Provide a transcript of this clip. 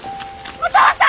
お父さん！